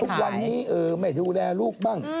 ซื้อมาทุกวันนี้ไม่ได้ดูแลลูกบ้าง